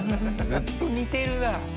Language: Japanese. ずっと似てるな。